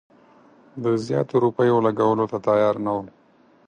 د زیاتو روپیو لګولو ته تیار نه وو.